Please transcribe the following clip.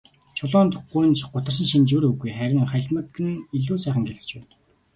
Чулуунд гуньж гутарсан шинж ер үгүй, харин халимаг нь илүү сайхан гялалзаж байв.